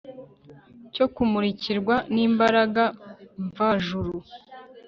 cyo kumurikirwa nimbaraga mvajuru